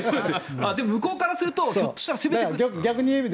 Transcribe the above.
向こうからするとひょっとしたら攻めてくる。